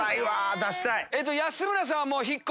出したい！